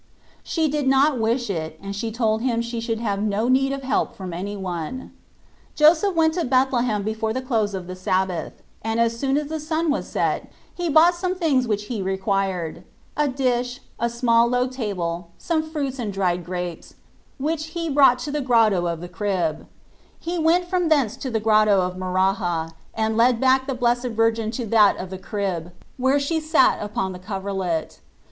She did not wish it, and she told him she should have no need of help from any one. Joseph went to Bethlehem before the close of the Sabbath, and as soon as the sun was set he bought some things which he required : a dish, a small low table, some fruits and dried grapes, which he brought to the Grotto of the Crib: he went from thence to the Grotto of Maraha and led back the Blessed Virgin to that of the crib, where she sat upon the coverlet.